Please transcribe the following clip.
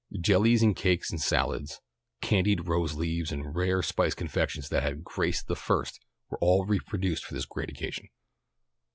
Jellies and cakes and salads, candied rose leaves and rare spiced confections that had graced the first were all reproduced for this great occasion.